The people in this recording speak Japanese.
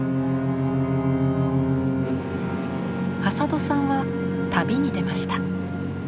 挾土さんは旅に出ました。